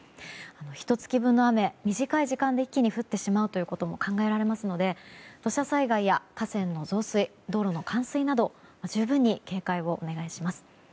ひと月分の雨が短い時間で一気に降ってしまうことも考えられますので土砂災害や河川の増水、冠水など十分に警戒をお願いします。